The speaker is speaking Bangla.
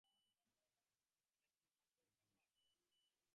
ওটা কি মাছের খাবার?